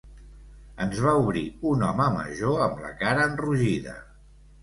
Ens va obrir un home major amb la cara enrogida.